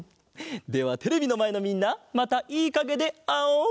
ではテレビのまえのみんなまたいいかげであおう！